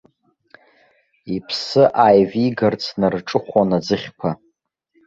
Иԥсы ааивигарц днарҿыхәон аӡыхьқәа.